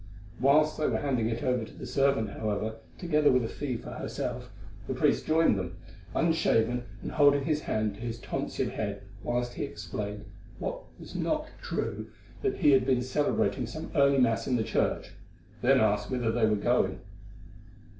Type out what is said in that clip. Whilst they were handing it over to the servant, however, together with a fee for herself, the priest joined them, unshaven, and holding his hand to his tonsured head whilst he explained, what was not true, that he had been celebrating some early Mass in the church; then asked whither they were going.